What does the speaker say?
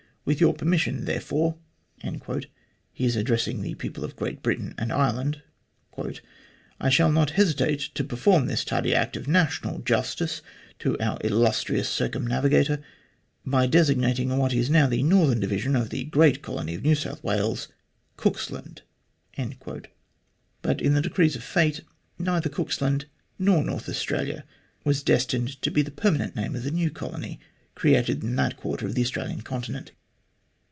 With your permission, therefore " (he is addressing the people of Great Britain and Ireland), " I shall not hesitate to perform this tardy act of national justice to our illustrious circumnavigator by desig nating what is now the northern division of the great colony of New South Wales, Cooksland." But in the decrees of fate, neither Cooksland nor North Australia was destined to be the permanent name of the new colony created in that quarter of the Australian continent.